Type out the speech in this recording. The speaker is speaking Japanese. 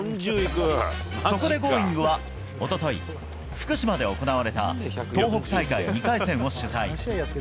そこで『Ｇｏｉｎｇ！』はおととい、福島で行われた東北大会２回戦を取材。